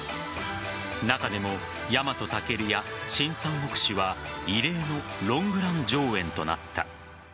中でも「ヤマトタケル」や「新・三国志」は異例のロングラン上演となった。